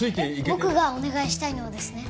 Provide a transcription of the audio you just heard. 僕がお願いしたいのはですね